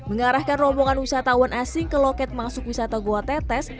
mengarahkan rombongan wisatawan asing ke loket masuk wisata goa tetes